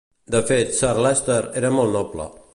De fet, Sir Leicester era molt noble.